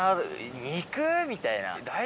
みたいな。